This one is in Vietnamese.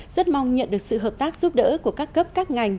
rất mong nhận được sự hợp tác giúp đỡ của các cấp các ngành